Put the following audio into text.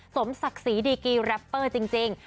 สมศักดิ์ศรีดีกีแรปเปอร์จริง